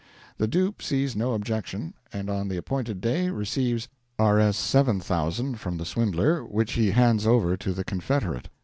The dupe sees no objection, and on the appointed day receives Rs.7,000 from the swindler, which he hands over to the confederate.